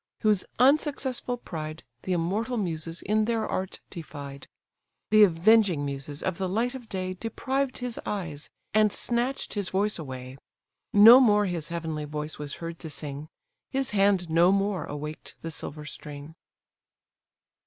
whose unsuccessful pride The immortal Muses in their art defied. The avenging Muses of the light of day Deprived his eyes, and snatch'd his voice away; No more his heavenly voice was heard to sing, His hand no more awaked the silver string.